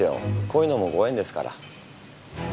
こういうのもご縁ですから。